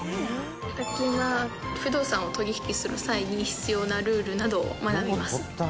宅建は不動産を取引する際に必要なルールなどを学びます。